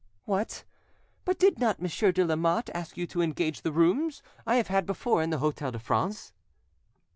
"What! but did not Monsieur de Lamotte ask you to engage the rooms I have had before at the Hotel de France?"